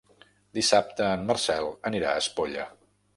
Dissabte en Marcel anirà a Espolla.